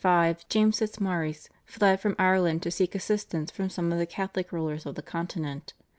In 1575 James Fitzmaurice fled from Ireland to seek assistance from some of the Catholic rulers of the Continent.